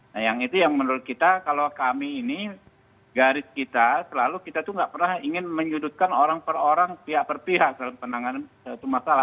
nah yang itu yang menurut kita kalau kami ini garis kita selalu kita tuh nggak pernah ingin menyudutkan orang per orang pihak per pihak dalam penanganan suatu masalah